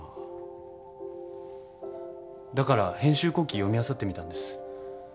だから編集後記読みあさってみたんです。